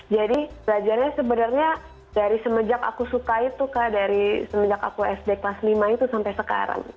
jadi belajarnya sebenarnya dari semenjak aku suka itu kak dari semenjak aku sd kelas lima itu sampai sekarang